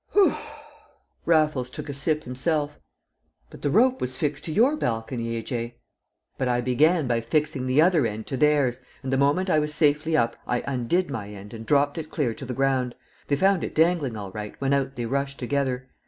Raffles took a sip himself. "But the rope was fixed to your balcony, A.J.?" "But I began by fixing the other end to theirs, and the moment I was safely up I undid my end and dropped it clear to the ground. They found it dangling all right when out they rushed together.